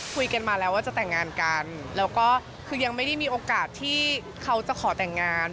คุยกันมาแล้วว่าจะแต่งงานกันแล้วก็คือยังไม่ได้มีโอกาสที่เขาจะขอแต่งงาน